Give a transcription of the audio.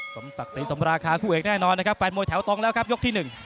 สมศักดิ์ศรีสมราคาคู่เอกแน่นอนนะครับแฟนมวยแถวตรงแล้วครับยกที่หนึ่ง